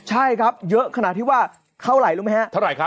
ใช่ครับเยอะขนาดที่ว่าเท่าไหร่รู้ไหมฮะเท่าไหร่ครับ